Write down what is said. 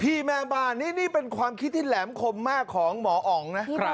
แม่บ้านนี่เป็นความคิดที่แหลมคมมากของหมออ๋องนะ